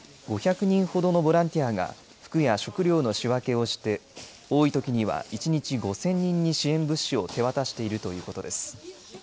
５００人ほどのボランティアが服や食料の仕分けをして多いときには一日５０００人に支援物資を手渡しているということです。